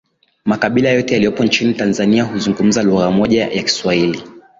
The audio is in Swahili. makabila yote yaliyopo nchini Tanzania huzungumza lugha moja ya kiswahili